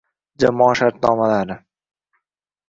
jamoa shartnomalari